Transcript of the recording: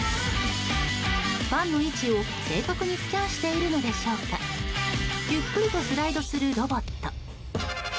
パンの位置を正確にスキャンしているのでしょうかゆっくりとスライドするロボット。